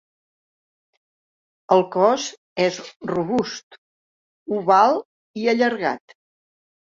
El cos és robust, oval i allargat.